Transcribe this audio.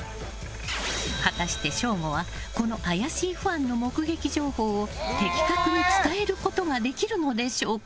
果たして、省吾はこの怪しいファンの目撃情報を的確に伝えることができるのでしょうか。